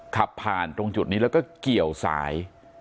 ขับผ่านตรงจุดนี้แล้วก็เกี่ยวสาย